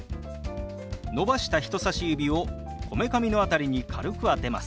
伸ばした人さし指をこめかみの辺りに軽く当てます。